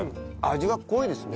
味が濃いですね。